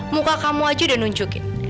muka kamu aja udah nunjukin